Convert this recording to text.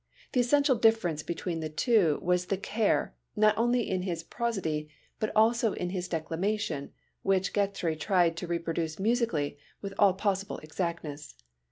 The essential difference between the two was the care, not only in his prosody but also in his declamation, which Grétry tried to reproduce musically with all possible exactness.